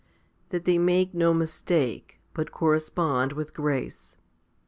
That they may make no mistake, but correspond with grace.